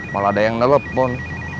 malah ada yang nelfon